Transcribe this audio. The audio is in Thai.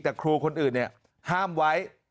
แต่ครูคนอื่นเนี่ยห้ามไว้